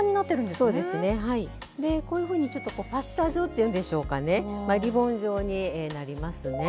でこういうふうにちょっとパスタ状というんでしょうかねリボン状になりますね。